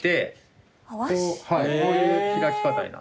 こういう開き方になる。